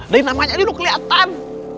banyaknya diunuk kelihatan